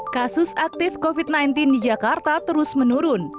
kasus aktif covid sembilan belas di jakarta terus menurun